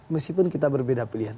meskipun kita berbeda pilihan